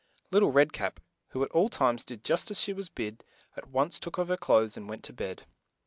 Lit tle Red Cap, who at all times did just as she was bid, at once took off her clothes and went to bed.